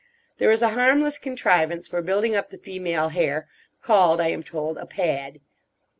There is a harmless contrivance for building up the female hair called, I am told, a pad.